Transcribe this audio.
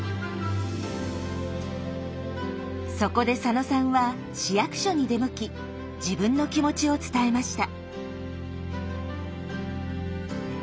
そこで佐野さんは市役所に出向き自分の気持ちを伝えました。